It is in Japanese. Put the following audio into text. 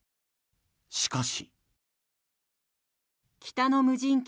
しかし。